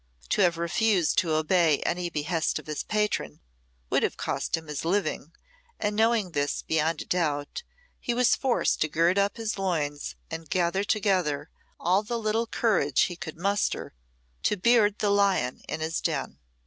To have refused to obey any behest of his patron would have cost him his living, and knowing this beyond a doubt, he was forced to gird up his loins and gather together all the little courage he could muster to beard the lion in his den.